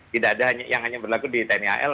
tidak ada yang hanya berlaku di tni al